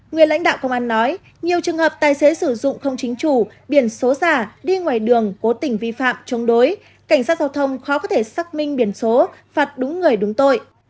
nguyên lãnh đạo công an nói nhiều trường hợp tài xế sử dụng không chính chủ biển số giả đi ngoài đường cố tình vi phạm chống đối cảnh sát giao thông khó có thể xác minh biển số phạt đúng người đúng tội